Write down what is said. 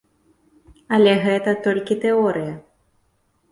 Але гэта толькі тэорыя.